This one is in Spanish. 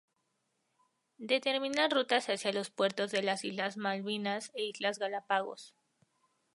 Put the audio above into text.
Determinar rutas hacia los puertos de las islas Malvinas e islas Galápagos.